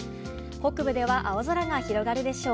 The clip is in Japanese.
北部では青空が広がるでしょう。